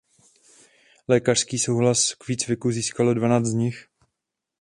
Lékařský souhlas k výcviku získalo dvanáct z nich.